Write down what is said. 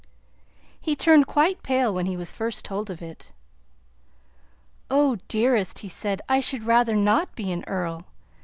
He turned quite pale when he was first told of it. "Oh! Dearest!" he said, "I should rather not be an earl.